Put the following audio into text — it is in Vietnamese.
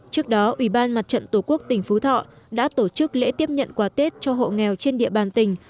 trước đó ủy ban mặt trận tổ quốc tỉnh phú thọ đã tổ chức lễ tiếp nhận quà tết cho hộ nghèo trên địa bàn tỉnh